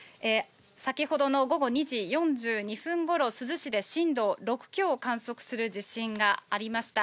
先ほどの午後２時４２分ごろ、珠洲市で震度６強を観測する地震がありました。